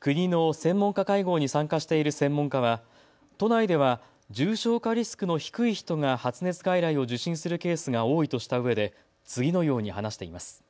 国の専門家会合に参加している専門家は都内では重症化リスクの低い人が発熱外来を受診するケースが多いとしたうえで次のように話しています。